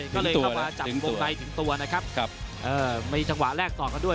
ก็เลยเข้ามาจับวงในถึงตัวนะครับเออมีจังหวะแรกต่อกันด้วย